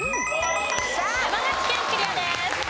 山口県クリアです。